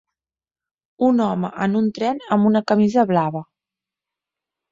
Un home en un tren amb una camisa blava